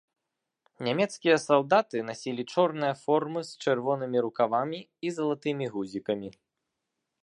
Нямецкія салдаты насілі чорныя формы з чырвонымі рукавамі і залатымі гузікамі.